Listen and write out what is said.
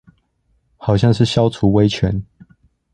好像是消除威權